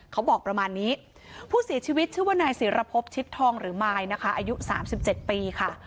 เขาบอกประมาณนี้ผู้เสียชีวิตชื่อว่านายศิรพบชิดทองหรือมายนะคะอายุ๓๗ปีค่ะ